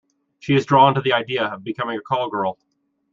She is drawn to the idea of becoming a call girl.